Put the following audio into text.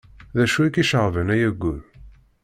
D acu i k-iceɣben ay ayyur.